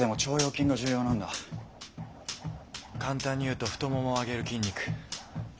簡単に言うと太ももを上げる筋肉。